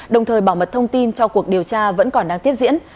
đồng thời bảo mật thông tin cho cuộc điều tra vẫn còn đang tiếp diễn